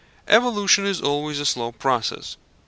Evolution is always a slow process.